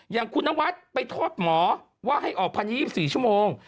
อย่างคุณนวัดไปโทษหมอว่าให้ออก๑๒๔ชั่วโมง